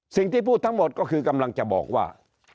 สิ่งที่พูดทั้งหมดก็คือกำลังจะบอกว่า